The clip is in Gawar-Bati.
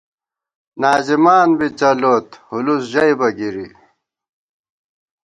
ناظمان بی څلوت، ہولُوس ژَئیبہ گِری